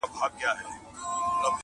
ټول جهان سې غولولای،